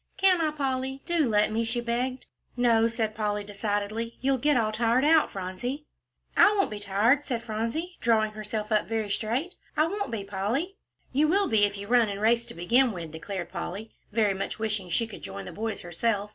"Can't I, Polly? Do let me," she begged. "No," said Polly, decidedly, "you'll get all tired out, Phronsie." "I won't be tired," said Phronsie, drawing herself up very straight; "I won't be, Polly." "You will be if you run and race to begin with," declared Polly, very much wishing she could join the boys herself.